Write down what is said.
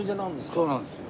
そうなんですよ。